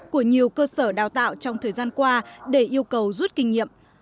của nhiều cơ sở đào tạo trong thời gian qua để yêu cầu rút kinh nghiệm